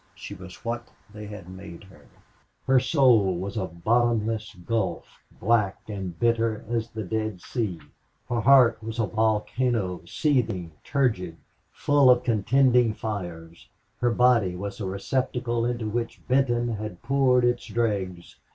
She was what they had made her. Her soul was a bottomless gulf, black and bitter as the Dead Sea. Her heart was a volcano, seething, turgid, full of contending fires. Her body was a receptacle into which Benton had poured its dregs.